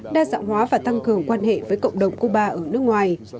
đa dạng hóa và tăng cường quan hệ với cộng đồng cuba ở nước ngoài